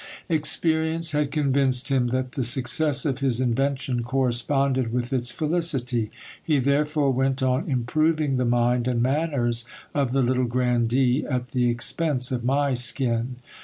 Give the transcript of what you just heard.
Ex perience had convinced him that the success of his invention corresponded with its felicity. He therefore went on improving the mind and manners of the little grandee at the expense of my skin.